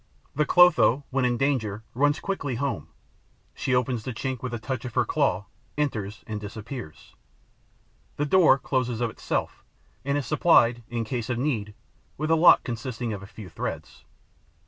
The Clotho, when in danger, runs quickly home; she opens the chink with a touch of her claw, enters and disappears. The door closes of itself and is supplied, in case of need, with a lock consisting of a few threads.